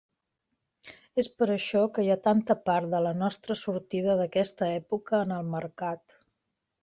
És per això que hi ha tanta part de la nostra sortida d'aquesta època en el mercat.